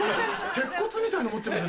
鉄骨みたいの持ってますよ。